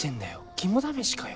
肝試しかよ。